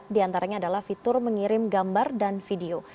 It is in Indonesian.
diantaranya adalah fitur mengirim gambar dan video